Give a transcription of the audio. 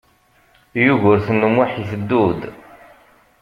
Yugurten U Muḥ iteddu-d.